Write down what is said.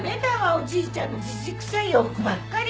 おじいちゃんのじじくさい洋服ばっかり。